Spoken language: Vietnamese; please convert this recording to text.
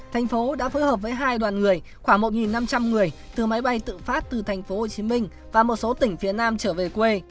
thành phố đã phối hợp với hai đoàn người khoảng một năm trăm linh người từ máy bay tự phát từ tp hcm và một số tỉnh phía nam trở về quê